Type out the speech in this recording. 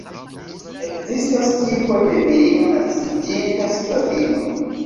Ekzistas tipo de virino naskiĝinta sklavino.